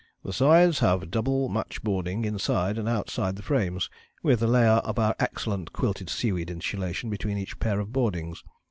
"The sides have double [match ] boarding inside and outside the frames, with a layer of our excellent quilted seaweed insulation between each pair of boardings.